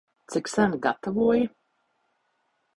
Cik sen gatavoji?